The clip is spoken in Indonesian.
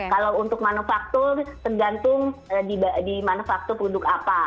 kalau untuk manufaktur tergantung di manufaktur produk apa